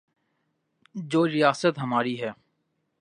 جو ریاست ہماری ہے۔